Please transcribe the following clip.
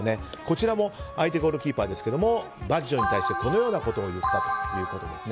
相手ゴールキーパーですがバッジョに対してこのようなことを言ったと。